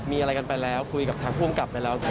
มีอะไรกันไปแล้วคุยกับทางภูมิกลับไปแล้ว